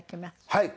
はい。